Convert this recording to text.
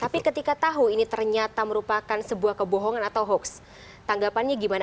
tapi ketika tahu ini ternyata merupakan sebuah kebohongan atau hoax tanggapannya gimana